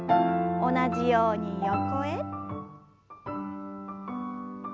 同じように横へ。